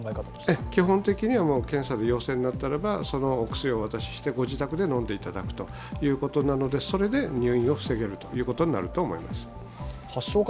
基本的には検査で陽性になったらば、そのお薬をお渡ししてご自宅で飲んでいただくということなので、それで入院を防げるということになると思います。